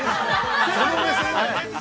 ◆その目線。